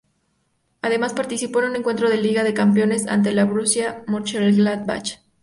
Además, participó en un encuentro de Liga de Campeones ante el Borussia Mönchengladbach.